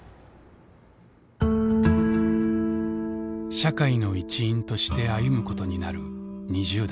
社会の一員として歩むことになる２０代。